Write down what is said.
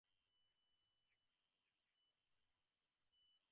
একদিক দিয়া দেখিতে গেলে ইহা আমাদের স্বরূপ-বিস্মৃতি এবং ইহাই আমাদের সকল দুঃখের মূল।